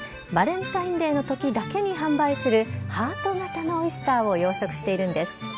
バレンタインデーのときだけに販売する、ハート形のオイスターを養殖しているんです。